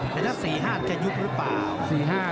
แต่ถ้า๔๕จะยุบหรือเปล่า